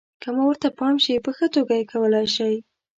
که مو ورته پام شي، په ښه توګه یې کولای شئ.